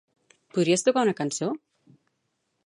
Podries tocar una cançó?